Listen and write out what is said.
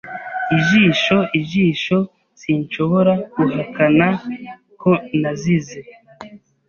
Ijisho, ijisho, sinshobora guhakana ko nazize